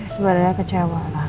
sebenernya kecewa lah